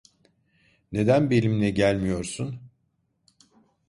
Neden benimle gelmiyorsun?